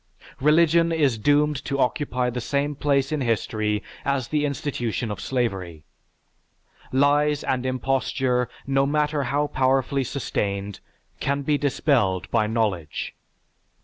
Religion is doomed to occupy the same place in history as the institution of slavery. Lies and imposture, no matter how powerfully sustained, can be dispelled by knowledge.